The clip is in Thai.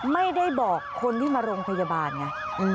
ไม่ได้บอกคนที่มาโรงพยาบาลไง